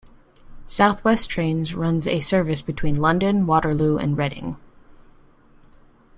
South West Trains runs a service between London Waterloo and Reading.